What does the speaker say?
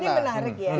ini menarik ya